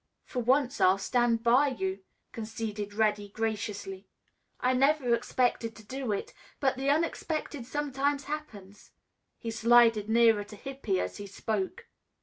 "For once I'll stand by you," conceded Reddy graciously. "I never expected to do it, but the unexpected sometimes happens." He sidled nearer to Hippy as he spoke.